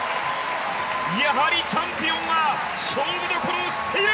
やはりチャンピオンは勝負どころを知っている！